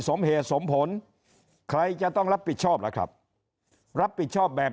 สมเหตุสมผลใครจะต้องรับผิดชอบล่ะครับรับผิดชอบแบบ